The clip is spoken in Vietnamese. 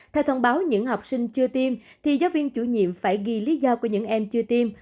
theo thông báo những học sinh chưa tiêm thì giáo viên chủ nhiệm phải ghi lý do của những em chưa tiêm